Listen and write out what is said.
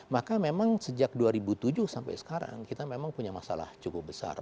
maka memang sejak dua ribu tujuh sampai sekarang kita memang punya masalah cukup besar